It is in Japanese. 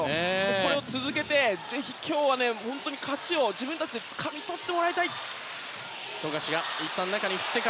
これを続けて今日は勝ちを自分たちでつかみ取ってもらいたい。